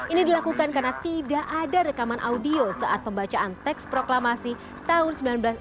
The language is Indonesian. ini dilakukan karena tidak ada rekaman audio saat pembacaan teks proklamasi tahun seribu sembilan ratus enam puluh